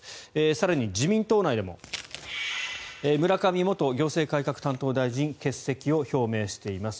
更に自民党内でも村上元行政改革担当大臣が欠席を表明しています。